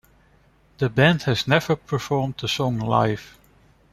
The band has never performed the song live.